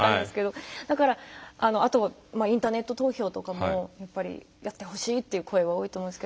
だからあとインターネット投票とかもやっぱりやってほしいという声は多いと思いますけど。